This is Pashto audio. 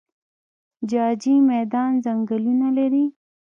جاجي میدان ځنګلونه لري؟